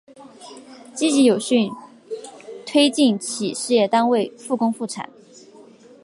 积极有序推进企事业单位复工复产